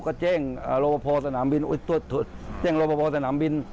ก็แจ้งรบพอสนามบินตรวจแจ้งรอบพอสนามบิน